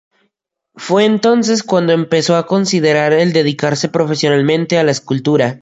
Fue entonces cuando empezó a considerar el dedicarse profesionalmente a la escultura.